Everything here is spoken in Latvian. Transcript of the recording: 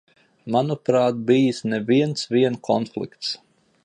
Manuprāt, bijis ne viens vien konflikts.